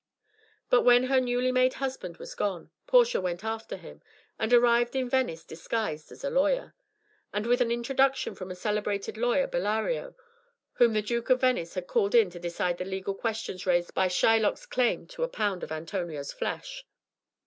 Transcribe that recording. But when her newly made husband had gone, Portia went after him, and arrived in Venice disguised as a lawyer, and with an introduction from a celebrated lawyer Bellario, whom the Duke of Venice had called in to decide the legal questions raised by Shylock's claim to a pound of Antonio's flesh.